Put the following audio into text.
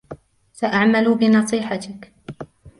سأعمل بنصيحتك